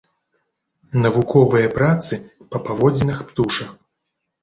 Навуковыя працы па паводзінах птушак.